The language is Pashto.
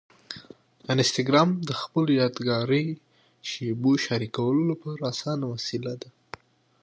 انسټاګرام د خپلو یادګاري شېبو شریکولو لپاره اسانه وسیله ده.